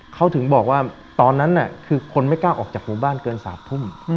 เขาถึงบอกว่าตอนนั้นคือคนไม่กล้าออกจากหมู่บ้านเกิน๓ทุ่ม